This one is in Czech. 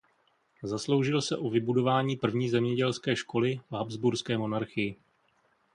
Zasloužil se o vybudování první zemědělské školy v habsburské monarchii.